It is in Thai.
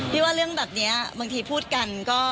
ว่าเรื่องแบบนี้บางทีพูดกันก็